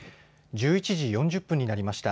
１１時４０分になりました。